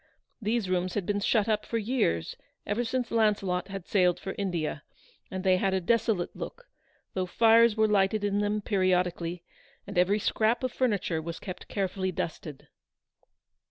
These rooms had been shut up for years, ever since Launcelot had sailed for India, and they had a desolate look, though fires were lighted in them periodically, and every scrap of furniture was kept carefully dusted.